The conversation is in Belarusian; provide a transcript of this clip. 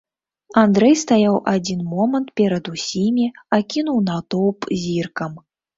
Андрэй стаяў адзін момант перад усімі, акінуў натоўп зіркам.